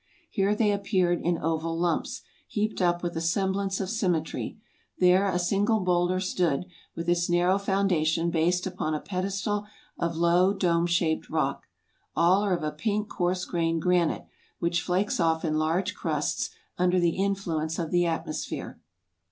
Here they appeared in oval lumps, heaped up with a semblance of symmetry; there a single bowlder stood, with its narrow foundation based upon a pedestal of low, dome shaped rock. All are of a pink coarse grained granite, which flakes off in large crusts under the influence of the atmosphere.